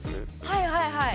はいはいはい。